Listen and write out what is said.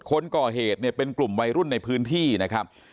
คนก่อเหตุเนี่ยเป็นกลุ่มวัยรุ่นในพื้นที่นะครับ